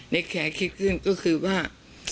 แคร์คิดขึ้นก็คือว่า